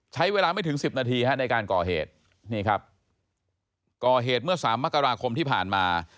ใช้เวลาไม่ถึงสิบนาทีฮะในการก่อเหตุนี่ครับก่อเหตุเมื่อสามมกราคมที่ผ่านมา